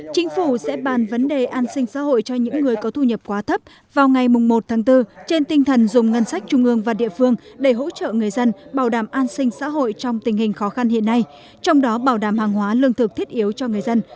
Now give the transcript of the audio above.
chính phủ sẽ bàn vấn đề an sinh xã hội cho những người có thu nhập quá thấp vào ngày một tháng bốn trên tinh thần dùng ngân sách trung ương và địa phương để hỗ trợ người dân bảo đảm an sinh xã hội trong tình hình khó khăn hiện nay trong đó bảo đảm hàng hóa lương thực thiết yếu cho người dân